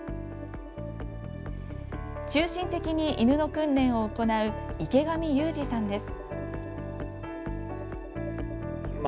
中心的に犬の訓練を行う池上裕二さんです。